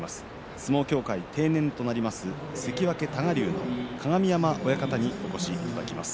相撲協会、定年となります関脇多賀竜の鏡山親方にお越しいただきます。